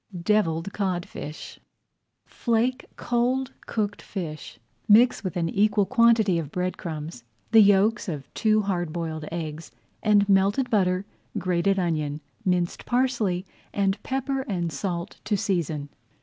DEVILLED CODFISH Flake cold cooked fish. Mix with an equal quantity of bread crumbs the yolks of two hard boiled eggs, and melted butter, grated onion, minced parsley, and pepper and salt to season.